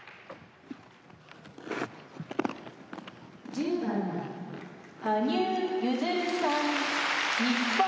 「１０番羽生結弦さん日本」